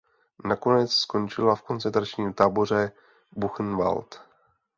Nakonec skončila v koncentračním táboře Buchenwald.